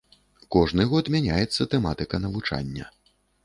Кожны год мяняецца тэматыка навучання.